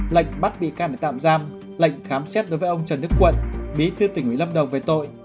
lệnh bắt bị can để tạm giam lệnh khám xét đối với ông trần đức quận bí thư tỉnh ủy lâm đồng về tội